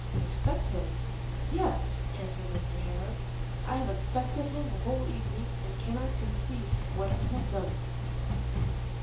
"Expect him? Yes," answered Mr Harrel, "I have expected him the whole evening, and cannot conceive what he has done with himself."